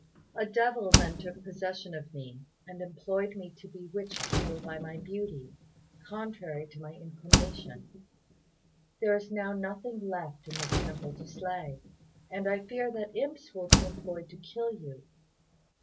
A devil then took possession of me, and employed me to bewitch people by my beauty, contrary to my inclination. There is now nothing left in this temple to slay, and I fear that imps will be employed to kill you."